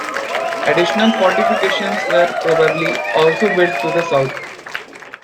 Additional fortifications were probably also built to the south.